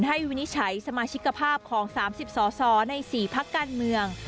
วินิจฉัยสมาชิกภาพของ๓๐สสใน๔พักการเมือง